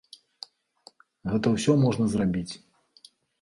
Гэта ўсё можна зрабіць.